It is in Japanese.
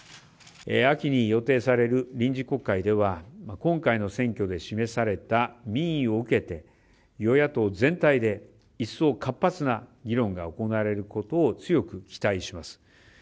秋に予定される臨時国会では今回の選挙で示された民意を受けて与野党全体で一層活発な議論が行われることを強く期待します。